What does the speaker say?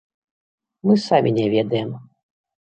Мы самі не ведаем.